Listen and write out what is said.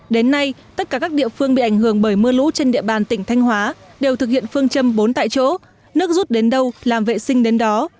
đến nay tất cả các địa phương bị ảnh hưởng bởi mưa lũ trên địa bàn tỉnh thanh hóa đều thực hiện phương châm bốn tại chỗ nước rút đến đâu làm vệ sinh đến đó